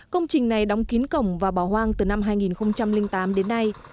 công trình này đóng kín cổng và bỏ hoang từ năm hai nghìn tám đến nay